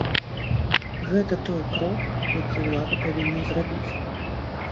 Гэта той крок, які ўлада павінна зрабіць.